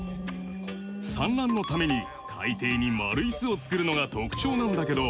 産卵のために海底に丸い巣を作るのが特徴なんだけど。